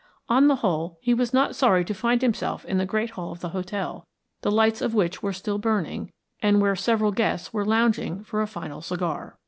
On the whole, he was not sorry to find himself in the great hall of the hotel, the lights of which were still burning, and where several guests were lounging for a final cigar.